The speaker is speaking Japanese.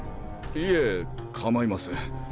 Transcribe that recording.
いえかまいません。